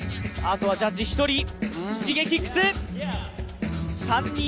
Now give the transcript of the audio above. あとはジャッジ１人。